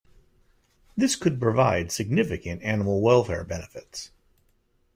This could provide significant animal welfare benefits.